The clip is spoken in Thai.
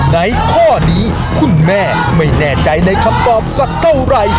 ในข้อนี้คุณแม่ไม่แน่ใจในคำตอบสักเท่าไหร่